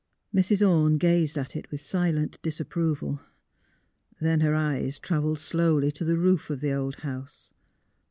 Mrs. Orne gazed at it with silent disapproval. Then her eyes travelled slowly to the roof of the old house.